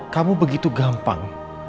kamu begitu gampang